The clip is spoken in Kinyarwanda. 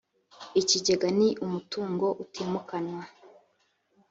ikigega ni umutungo utimukanwa